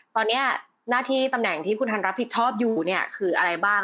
ตอนนี้หน้าที่ตำแหน่งที่คุณทันรับผิดชอบอยู่เนี่ยคืออะไรบ้าง